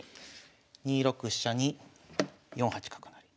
２六飛車に４八角成。